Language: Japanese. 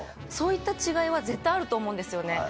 そういった違いは絶対あると思うんですよね。